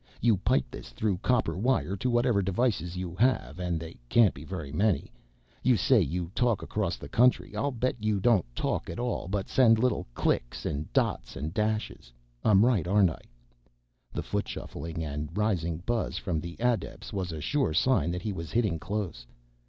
You pipe this through copper wire to whatever devices you have, and they can't be very many. You say you talk across the country. I'll bet you don't talk at all but send little clicks, dots and dashes.... I'm right aren't I?" The foot shuffling and rising buzz from the adepts was a sure sign that he was hitting close.